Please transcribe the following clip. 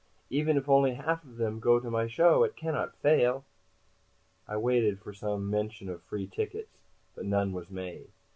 Even if only half of them go to my show, it cannot fail." I waited for some mention of free tickets, but none was made.